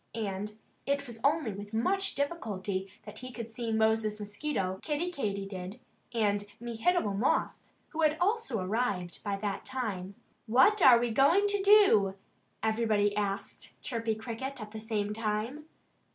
And it was only with much difficulty that he could see Moses Mosquito, Kiddie Katydid, and Mehitable Moth, who had also arrived by that time. "What are we going to do?" everybody asked Chirpy Cricket at the same time.